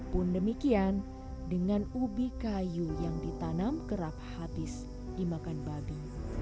pun demikian dengan ubi kayu yang ditanam kerap habis dimakan babi